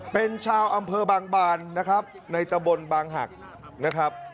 เป็นชาวอำเภอบางบานนะครับในตะบนบางหักนะครับ